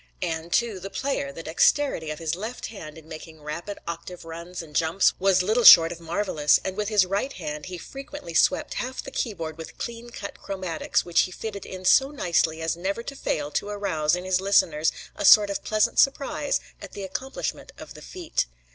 And, too, the player the dexterity of his left hand in making rapid octave runs and jumps was little short of marvelous; and with his right hand he frequently swept half the keyboard with clean cut chromatics which he fitted in so nicely as never to fail to arouse in his listeners a sort of pleasant surprise at the accomplishment of the feat.